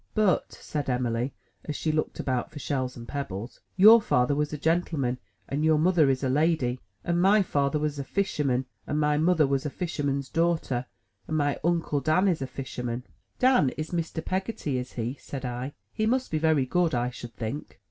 "But," said Em'ly, as she looked about for shells and pebbles, "your father was a gentleman and your mother is a lady; and my father was a fisherman, and my mother was a fisherman's daughter, and my uncle Dan is a fisherman." 107 MY BOOK HOUSE "Dan is Mr. Peggotty, is he?*' said I. '*He must be very good, I should think?''